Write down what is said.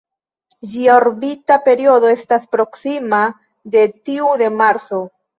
Ĝia orbita periodo estas proksima de tiu de Marso.